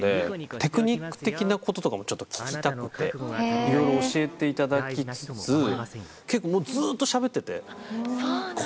テクニック的なこととかもちょっと聞きたくていろいろ教えていただきつつ。と思ったんですけど。